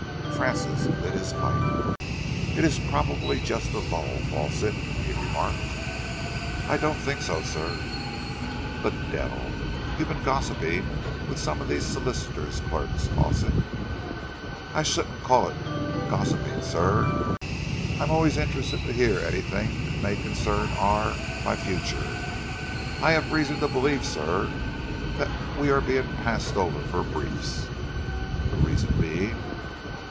Francis lit his pipe. "It's probably just a lull, Fawsitt," he remarked. "I don't think so, sir." "The devil! You've been gossiping with some of these solicitors' clerks, Fawsitt." "I shouldn't call it gossiping, sir. I am always interested to hear anything that may concern our my future. I have reason to believe, sir, that we are being passed over for briefs." "The reason being?"